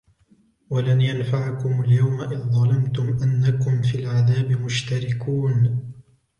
ولن ينفعكم اليوم إذ ظلمتم أنكم في العذاب مشتركون